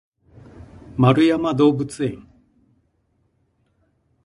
円山動物園